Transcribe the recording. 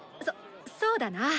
そそうだな！